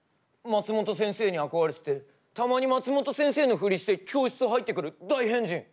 松本先生に憧れててたまに松本先生のふりして教室入ってくる大変人。